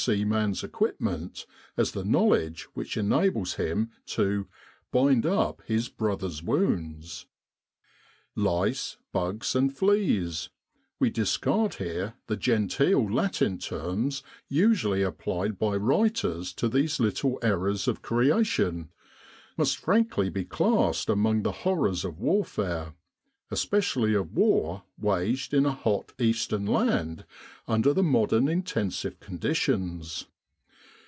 C. man's equipment as the knowledge which enables him to "bind up his brother's wounds." Lice, bugs, and fleas we discard here the genteel latin terms usually applied by writers to these little errors of Creation must frankly be classed among the horrors of warfare, especially of war waged in a hot Eastern land under the modern intensive con ditions.